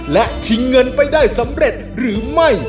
และชิงเงินไปได้สำเร็จหรือไม่